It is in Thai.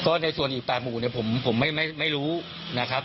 ก็ในส่วนอีก๘หมู่เนี่ยผมไม่รู้นะครับ